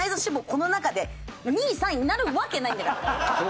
この中で２位３位になるわけないんだから。